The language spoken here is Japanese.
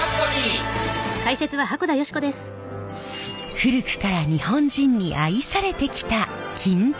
古くから日本人に愛されてきた金箔。